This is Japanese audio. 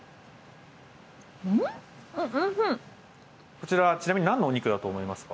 こちらちなみに何のお肉だと思いますか？